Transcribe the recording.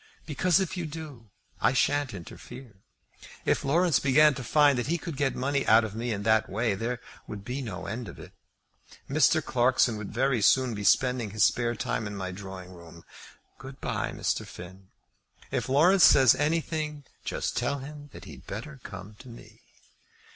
"Because, if you do, I shan't interfere. If Laurence began to find that he could get money out of me in that way, there would be no end to it. Mr. Clarkson would very soon be spending his spare time in my drawing room. Good bye, Mr. Finn. If Laurence says anything, just tell him that he'd better come to me."